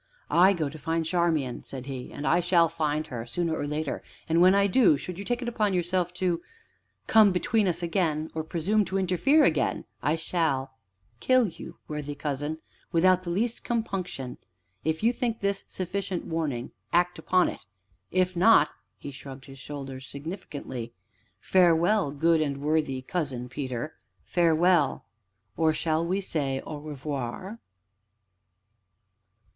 "I go to find Charmian," said he, "and I shall find her sooner or later, and, when I do, should you take it upon yourself to come between us again, or presume to interfere again, I shall kill you, worthy cousin, without the least compunction. If you think this sufficient warning act upon it, if not " He shrugged his shoulders significantly. "Farewell, good and worthy Cousin Peter, farewell! or shall we say 'au revoir'?"